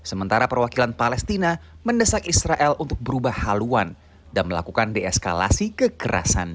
sementara perwakilan palestina mendesak israel untuk berubah haluan dan melakukan deeskalasi kekerasan